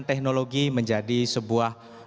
teknologi menjadi sebuah